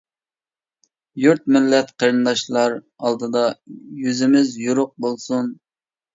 يۇرت، مىللەت، قېرىنداشلار ئالدىدا يۈزىمىز يورۇق بولسۇن!